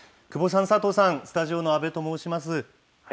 久保さん、佐藤さん、スタジオの阿部と申します。